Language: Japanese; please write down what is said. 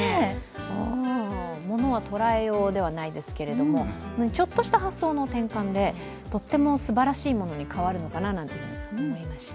ものは捉えようではないですけど、ちょっとした発想の転換でとってもすばらしいものに変わるのかななんて思いました。